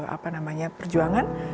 apa namanya perjuangan